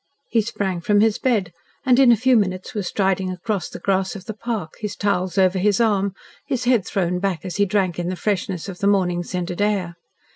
He sprang from his bed, and in a few minutes was striding across the grass of the park, his towels over his arm, his head thrown back as he drank in the freshness of the morning scented air.